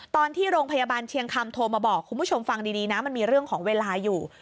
ตอนที่โรงพยาบาลเชียงคำโทรมาบอกคุณผู้ชมฟังดีนะมันมีเรื่องของเวลาอยู่